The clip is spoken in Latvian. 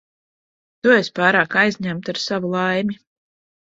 Tu esi pārāk aizņemta ar savu laimi.